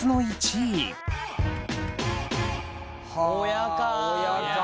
親か。